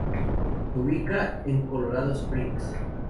Se ubica en Colorado Springs.